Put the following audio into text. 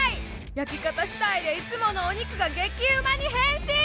焼き方次第でいつものお肉が激ウマに変身！